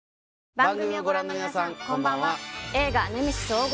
番組をご覧の皆さんこんばんは。